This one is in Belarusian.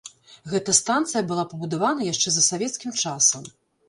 Гэта станцыя была пабудавана яшчэ за савецкім часам.